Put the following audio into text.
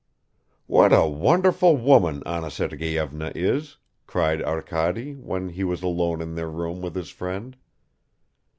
"What a wonderful woman Anna Sergeyevna is!" cried Arkady, when he was alone in their room with his friend.